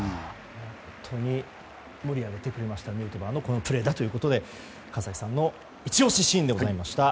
本当に盛り上げてくれたヌートバーのプレーということで川崎さんのイチ押しシーンでございました。